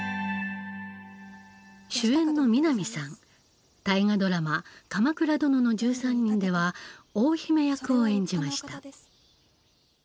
主演の南さん大河ドラマ「鎌倉殿の１３人」では大姫役を演じました。